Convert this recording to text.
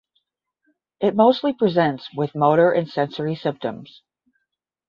It mostly presents with motor and sensory symptoms.